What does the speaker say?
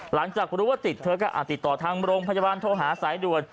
หลังจากรู้ว่าติดเธอก็ติดต่อทางโรงพยาบาลโทรหาสายด่วน